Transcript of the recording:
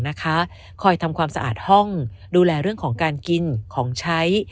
คอยทำความสะอาดห้องดูแลเรื่องของการกินของใช้